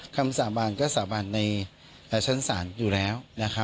คำสาบานก็สาบานในชั้นศาลอยู่แล้ว